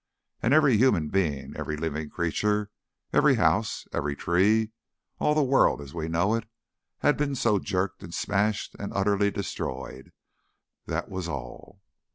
And every human being, every living creature, every house, and every tree all the world as we know it had been so jerked and smashed and utterly destroyed. That was all.